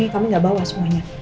kami gak bawa semuanya